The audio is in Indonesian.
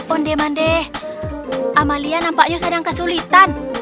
onde mandeh amalia nampaknya sedang kesulitan